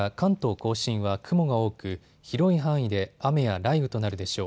甲信は雲が多く広い範囲で雨や雷雨となるでしょう。